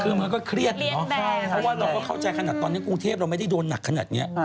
คือมันก็เครียดอะเนาะเพราะว่าเราก็เข้าใจขนาดตอนนี้กรุงเทพเราไม่ได้โดนหนักขนาดนี้